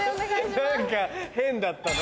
何か変だったね。